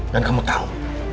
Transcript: dan kamu tahu